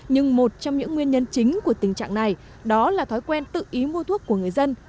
nhưng một trong những nguyên nhân chính của tình trạng này đó là thói quen tự ý mua thuốc của người dân